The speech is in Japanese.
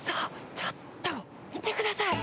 ちょっと、見てください！